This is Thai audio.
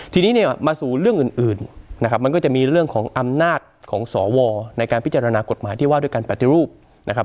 ทีนี้เนี่ยมาสู่เรื่องอื่นนะครับมันก็จะมีเรื่องของอำนาจของสวในการพิจารณากฎหมายที่ว่าด้วยการปฏิรูปนะครับ